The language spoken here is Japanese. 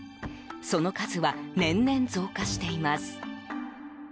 その数は年々増加しています。